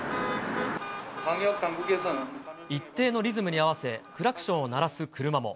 一定のリズムに合わせ、クラクションを鳴らす車も。